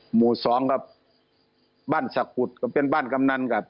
หมู่สองครับบ้านสะกุดก็เป็นบ้านกำนันครับ